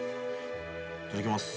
いただきます。